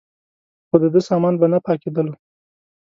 خو دده سامان به نه پاکېدلو.